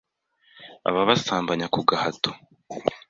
ababasambanya ku gahato,